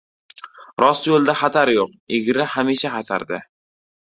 • Rost yo‘lda xatar yo‘q, egri hamisha xatarda.